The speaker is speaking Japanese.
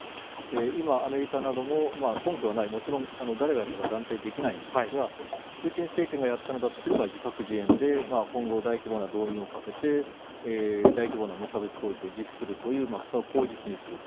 今、アメリカなども、根拠はない、もちろん、誰がやったか断定できないんですが、プーチン政権がやったのだとすれば、自作自演で、今後、大規模な動員をかけて、大規模な無差別攻撃を実施するという、その口実にする。